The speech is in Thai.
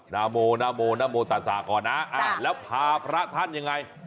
นาโมนาโมนาโมสาก่อนนะแล้วพาพระท่านยังไง